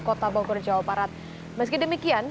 kota bogor jawa barat meski demikian